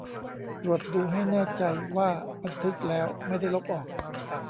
ตรวจดูให้แน่ใจว่าบันทึกแล้วไม่ได้ลบออก